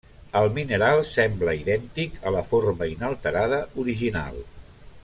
El mineral sembla idèntic a la forma inalterada original.